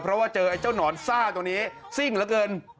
เพราะว่าเจอไอ้เจ้าหนอนซ่าตัวนี้ซิ่งเหลือเกิน